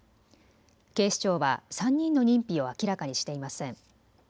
警視庁は３人の認否を明らかにしていません。